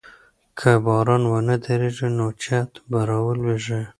که باران ونه دريږي نو چت به راولوېږي.